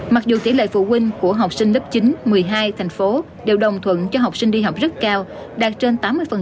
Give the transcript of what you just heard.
mặc dù tỷ lệ phụ huynh của học sinh lớp chín một mươi hai thành phố đều đồng thuận cho học sinh đi học rất cao đạt trên tám mươi